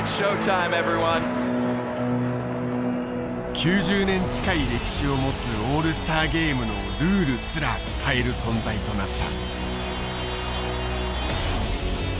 ９０年近い歴史を持つオールスターゲームのルールすら変える存在となった。